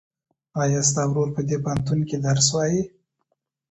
ایا ستا ورور په دې پوهنتون کې درس وایي؟